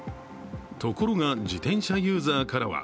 ところが自転車ユーザーからは